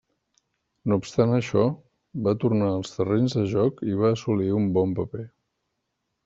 No obstant això, va tornar als terrenys de joc i va assolir un bon paper.